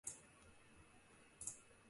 两个事件同时发生